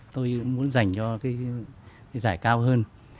tôi muốn dành cho giải cao hơn